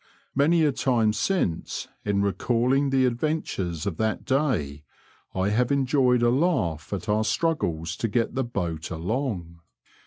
Many a time since, in recalling the. adventures of that day, I have enjoyed a laugh at our struggles to get the boat along.